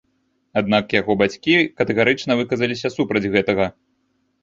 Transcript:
Аднак яго бацькі катэгарычна выказаліся супраць гэтага.